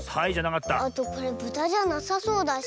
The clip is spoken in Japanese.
あとこれブタじゃなさそうだし。